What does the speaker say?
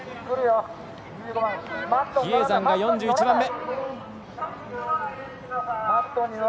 比叡山が４１番目。